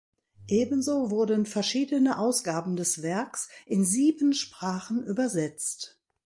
Ebenso wurden verschiedene Ausgaben des Werks in sieben Sprachen übersetzt.